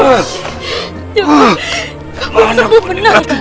kamu belum sembuh benar kang